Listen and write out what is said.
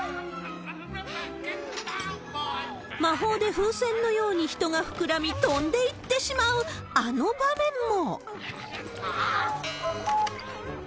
魔法で風船のように人が膨らみ飛んでいってしまうあの場面も。